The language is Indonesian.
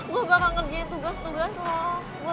gue bakal ngerjain tugas tugas lah